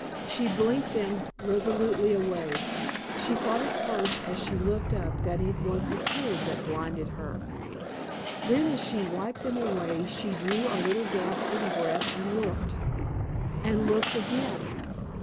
She blinked them resolutely away. She thought at first as she looked up that it was the tears that blinded her. Then as she wiped them away she drew a little gasping breath and looked—and looked again.